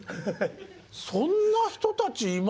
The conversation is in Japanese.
そんな人たちいます？